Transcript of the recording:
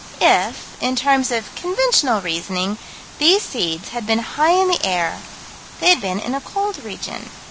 If in terms of conventional reasoning these seeds had been high in the air, they had been in a cold region.